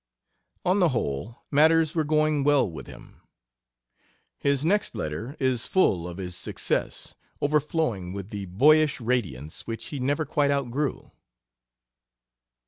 On the whole, matters were going well with him. His next letter is full of his success overflowing with the boyish radiance which he never quite outgrew.